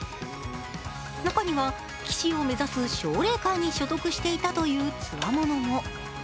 中には、棋士を目指す奨励会に所属していたという強者も。